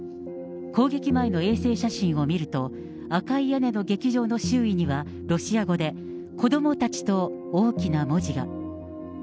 攻撃前の衛星写真を見ると、赤い屋根の劇場の周囲には、ロシア語で、子どもたちと大きな文字が。